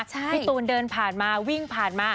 พี่ตูนเดินผ่านมาวิ่งผ่านมา